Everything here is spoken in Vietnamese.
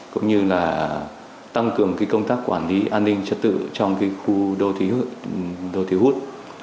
cũng như là tăng cường cái công tác quản lý an ninh chất tự trong cái khu đô thị hút